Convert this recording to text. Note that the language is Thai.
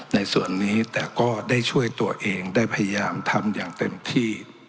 ในส่วนนี้แต่ก็ได้ช่วยตัวเองได้พยายามทำอย่างเต็มที่